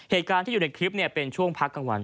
เหตุการณ์ที่อยู่ในคลิปเป็นช่วงพักกลางวัน